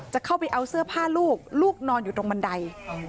เข้าไปเอาเสื้อผ้าลูกลูกนอนอยู่ตรงบันได